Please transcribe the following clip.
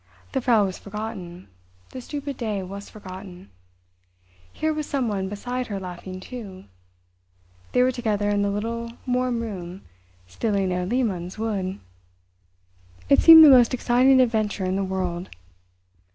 The Frau was forgotten, the stupid day was forgotten. Here was someone beside her laughing, too. They were together in the little warm room stealing Herr Lehmann's wood. It seemed the most exciting adventure in the world.